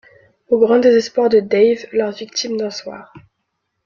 Au grand désespoir de Dave, leur victime d’un soir…